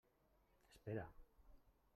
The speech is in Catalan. Espera.